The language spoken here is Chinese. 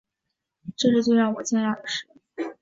这是最让我惊讶的事